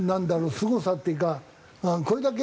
すごさっていうかこれだけ。